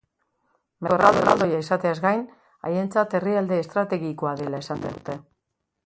Merkatu erraldoia izateaz gain, haientzat herrialde estrategikoa dela esan digute.